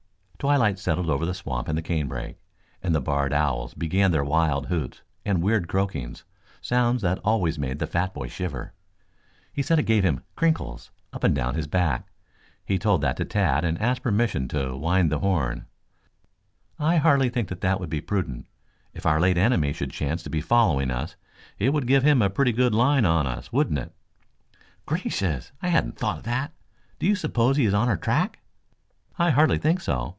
Twilight settled over the swamp and the canebrake, and the barred owls began their wild hoots and weird croakings, sounds that always made the fat boy shiver. He said it gave him "crinkles" up and down his back. He told that to Tad, and asked permission to wind the horn. "I hardly think that would be prudent. If our late enemy should chance to be following us it would give him a pretty good line on us, wouldn't it?" "Gracious! I hadn't thought of that. Do you suppose he is on our track?" "I hardly think so.